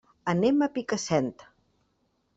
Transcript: Anem a Picassent.